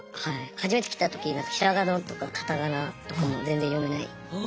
初めて来た時ひらがなとかカタカナとかも全然読めない感じで来て。